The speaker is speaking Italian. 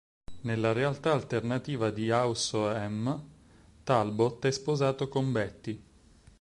Nella realtà alternativa di "House of M" Talbot è sposato con Betty.